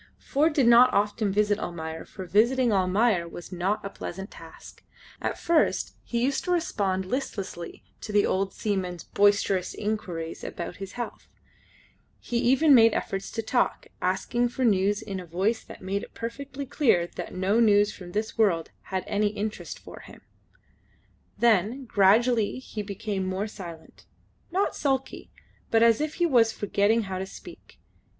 Ford did not often visit Almayer, for visiting Almayer was not a pleasant task. At first he used to respond listlessly to the old seaman's boisterous inquiries about his health; he even made efforts to talk, asking for news in a voice that made it perfectly clear that no news from this world had any interest for him. Then gradually he became more silent not sulkily but as if he was forgetting how to speak.